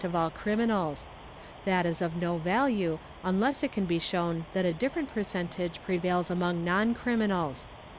of all criminals ; that is of no value unless it can be shown that a different percentage prevails among non criminals.